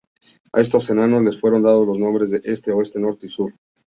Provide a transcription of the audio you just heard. A estos enanos les fueron dados los nombres de Este, Oeste, Norte y Sur.